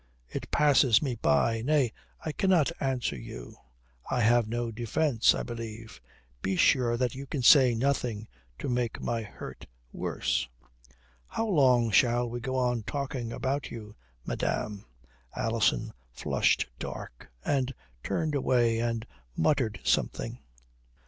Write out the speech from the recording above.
It passes me by. Nay, I cannot answer you. I have no defence, I believe. Be sure that you can say nothing to make my hurt worse." "How long shall we go on talking about you, madame?" Alison flushed dark, and turned away and muttered something.